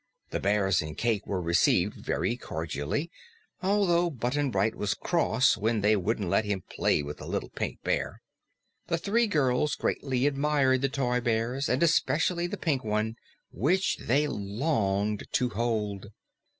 The bears and Cayke were received very cordially, although Button Bright was cross when they wouldn't let him play with the Little Pink Bear. The three girls greatly admired the toy bears, and especially the pink one, which they longed to hold.